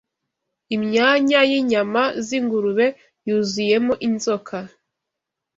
Imyanya y’inyama z’ingurube yuzuyemo inzoka